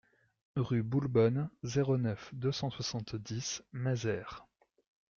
Rue Boulbonne, zéro neuf, deux cent soixante-dix Mazères